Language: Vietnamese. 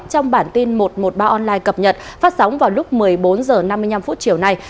trong bản tin một trăm một mươi ba online cập nhật phát sóng vào lúc một mươi bốn h năm mươi năm chiều nay